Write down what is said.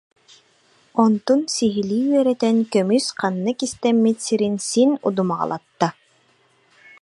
Онтун сиһилии үөрэтэн, көмүс ханна кистэммит сирин син удумаҕалатта